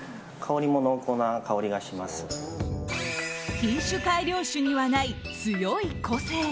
品種改良種にはない強い個性。